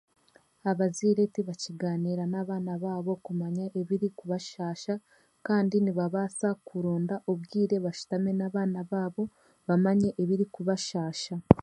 Abazaire tibakigaaniira n'abaana baabo kumanya ebirikubashaasha kandi nibabaasa kuronda obwire bashutame n'abaana baabo bamanye ebirikubashaasha.